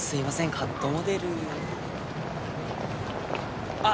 カットモデルあっ